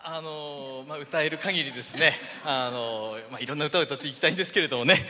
歌えるかぎりですねいろんな歌を歌っていきたいんですけどもね。